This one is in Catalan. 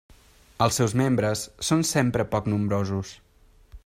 Els seus membres són sempre poc nombrosos.